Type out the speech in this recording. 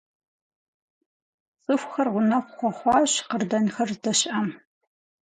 ЦӀыхухэр гъунэгъу хуэхъуащ къардэнхэр здэщыӀэм.